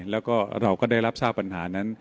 แล้วก็เราก็ได้รับทราบปัญหานั้น